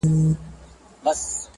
غاړې یې صفا کړې